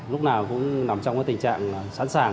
lúc nào cũng nằm trong tình trạng sẵn sàng